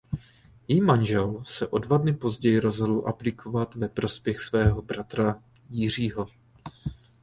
Její manžel se o dva dny později rozhodl abdikovat ve prospěch svého bratra Jiřího.